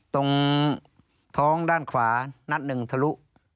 ตรงท้องด้านขวานัดหนึ่งทะลุ